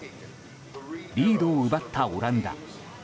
リードを奪ったオランダ。